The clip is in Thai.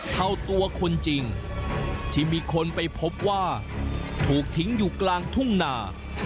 เท่าตัวคนจริงที่มีคนไปพบว่าถูกทิ้งอยู่กลางทุ่งนา